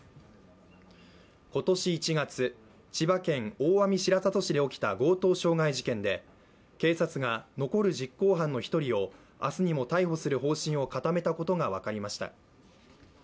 今年１月、千葉県大網白里市で起きた強盗傷害事件で警察が残る実行犯の１人を明日にも逮捕する方針を固めたことが分かりました。